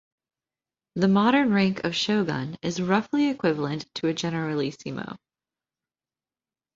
The modern rank of shogun is roughly equivalent to a generalissimo.